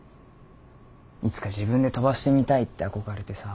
いつか自分で飛ばしてみたいって憧れてさ